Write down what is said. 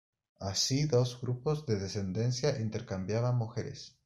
Así dos grupos de descendencia intercambian mujeres.